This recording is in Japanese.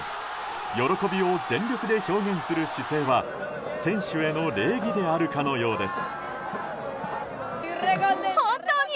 喜びで全力で表現する姿勢は選手への礼儀であるかのようです。